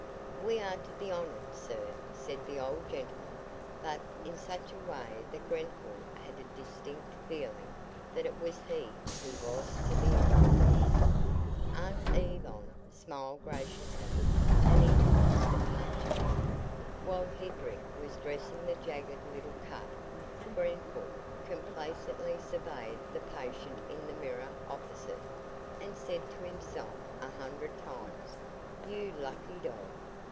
"We are to be honored, sir," said the old gentleman, but in such a way that Grenfall had a distinct feeling that it was he who was to be honored. Aunt Yvonne smiled graciously, and he took his departure. While Hedrick was dressing the jagged little cut, Grenfall complacently surveyed the patient in the mirror opposite, and said to himself a hundred times: "You lucky dog!